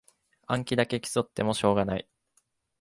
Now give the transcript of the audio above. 暗記だけ競ってもしょうがない